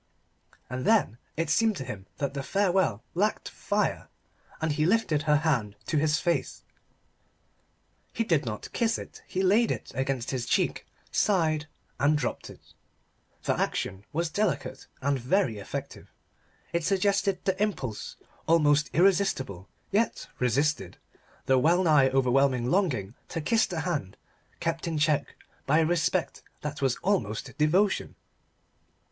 And then it seemed to him that the farewell lacked fire: and he lifted her hand to his face. He did not kiss it. He laid it against his cheek, sighed, and dropped it. The action was delicate and very effective. It suggested the impulse, almost irresistible yet resisted, the well nigh overwhelming longing to kiss the hand, kept in check by a respect that was almost devotion.